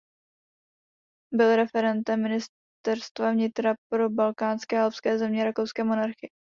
Byl referentem ministerstva vnitra pro balkánské a alpské země rakouské monarchie.